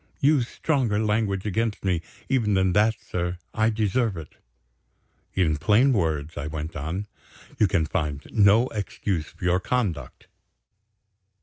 "Use stronger language against me, even than that, sir I deserve it." "In plain words," I went on, "you can find no excuse for your conduct?"